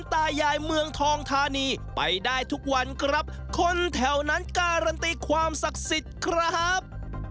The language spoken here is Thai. ตายายเมืองทองธานีไปได้ทุกวันครับคนแถวนั้นการันตีความศักดิ์สิทธิ์ครับ